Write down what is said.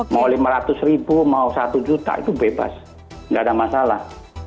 mau lima ratus ribu mau satu juta itu bebas nggak ada masalah